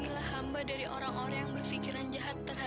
si ku kuunang ternyata ehehe